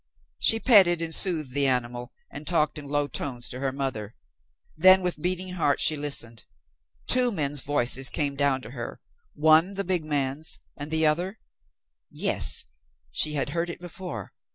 She petted and soothed the animal and talked in low tones to her mother. Then with beating heart she listened. Two men's voices came down to her one, the big man's and the other yes, she had heard it before.